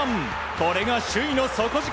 これが首位の底力。